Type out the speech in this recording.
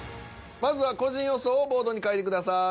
まずは個人予想をボードに書いてください。